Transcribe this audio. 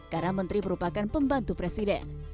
karena menteri merupakan pembantu presiden